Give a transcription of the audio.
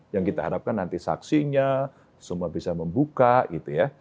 yang kita harapkan nanti saksinya semua bisa membuka gitu ya